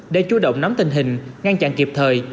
để chú động nắm tình hình ngăn chặn kịp thời